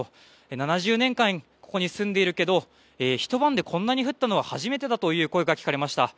７０年間ここに住んでいるけどひと晩でこんなに降ったのは初めてだという声が聞かれました。